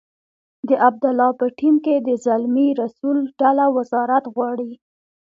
د عبدالله په ټیم کې د زلمي رسول ډله وزارت غواړي.